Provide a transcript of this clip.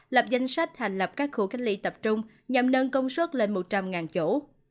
lập danh sách hành lập các khu cách ly tập trung nhằm nâng công suất lên một trăm linh chỗ